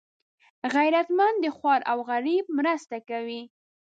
غیرتمند د خوار او غریب مرسته کوي